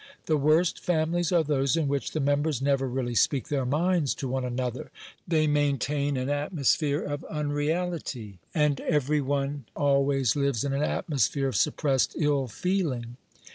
The worst families are those in which the members never really speak their minds to one another; they maintain an atmosphere of unreality, and every one always lives in an atmosphere of suppressed ill feeling.